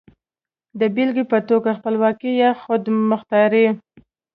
د بېلګې په توګه خپلواکي يا خودمختاري.